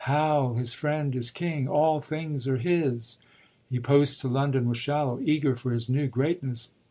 Hal, his friend, is king; all things are his I He posts to London with Shallow, eager for his new great ness.